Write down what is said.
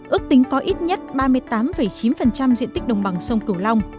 ước tính có ít nhất ba mươi tám chín diện tích đồng bằng sông cửu long